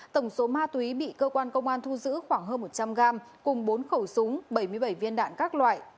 tổng số ma túy bị cơ quan công an thu giữ khoảng hơn một trăm linh gram cùng bốn khẩu súng bảy mươi bảy viên đạn các loại